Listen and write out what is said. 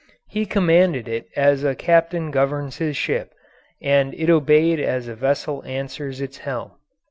He commanded it as a captain governs his ship, and it obeyed as a vessel answers its helm.